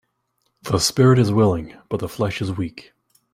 The spirit is willing but the flesh is weak